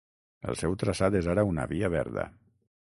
El seu traçat és ara una via verda.